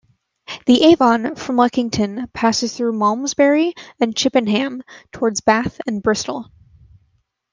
The Avon, from Luckington, passes through Malmesbury and Chippenham towards Bath and Bristol.